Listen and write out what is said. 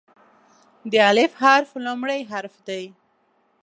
د "الف" حرف لومړی حرف دی.